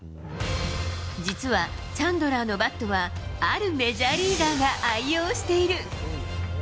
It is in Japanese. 実はチャンドラーのバットは、あるメジャーリーガーが愛用している。